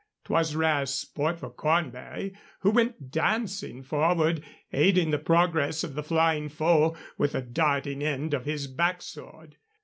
'Twas rare sport for Cornbury, who went dancing forward, aiding the progress of the flying foe with the darting end of his backsword.